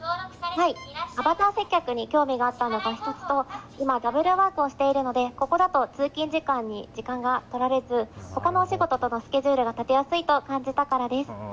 アバター接客に興味があったのが１つと、今、ダブルワークをしているので、ここだと通勤時間に時間が取られず、ほかのお仕事とのスケジュールが立てやすいと感じたからです。